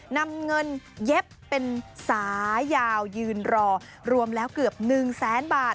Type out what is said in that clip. นำเงินเย็บเป็นสายยาวยืนรอรวมแล้วเกือบ๑แสนบาท